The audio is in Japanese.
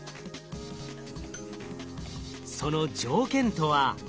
その条件とは。